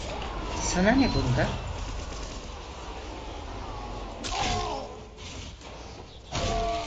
Sana ne bundan?